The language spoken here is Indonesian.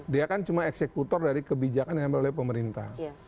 dia kan cuma eksekutor dari kebijakan yang diambil oleh pemerintah